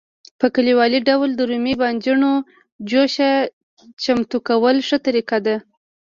په کلیوالي ډول د رومي بانجانو جوشه چمتو کول ښه طریقه ده.